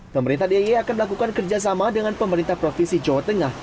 pemerintah d i e akan melakukan kerjasama dengan pemerintah provinsi jawa tengah